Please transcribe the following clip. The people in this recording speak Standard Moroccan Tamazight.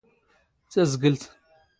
ⵜⴰⵣⴳⵍⵜ.